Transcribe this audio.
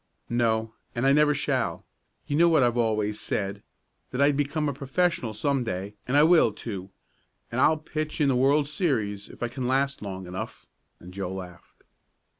"No, and I never shall. You know what I've always said that I'd become a professional some day; and I will, too, and I'll pitch in the world series if I can last long enough," and Joe laughed.